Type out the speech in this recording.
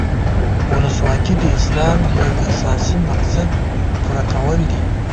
ولسواکي د اسلام د یو اساسي مقصد پوره کول دي.